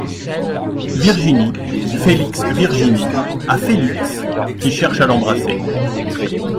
Virginie, Félix Virginie , à Félix, qui cherche à l’embrasser.